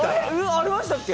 ありましたっけ？